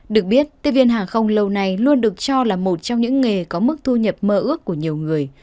được biết tiếp viên hàng không lâu này luôn được cho là một trong những nghề có mức thu nhập mơ ước của nhiều người